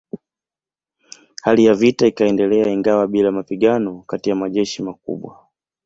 Hali ya vita ikaendelea ingawa bila mapigano kati ya majeshi makubwa.